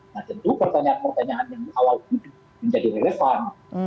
nah tentu pertanyaan pertanyaan yang di awal menjadi relevan